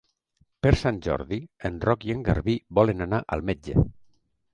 Per Sant Jordi en Roc i en Garbí volen anar al metge.